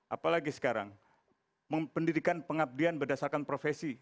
apalagi sekarang pendidikan pengabdian berdasarkan profesi